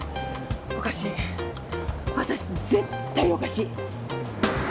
おかしい。わたし絶対おかしい。